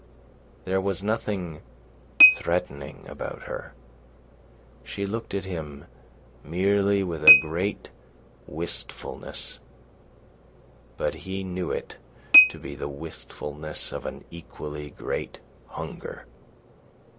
There was nothing threatening about her. She looked at him merely with a great wistfulness, but he knew it to be the wistfulness of an equally great hunger.